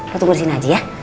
lo tunggu disini aja ya